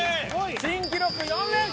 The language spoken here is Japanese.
新記録４連勝！